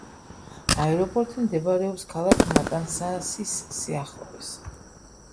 აეროპორტი მდებარეობს ქალაქ მატანსასის სიახლოვეს.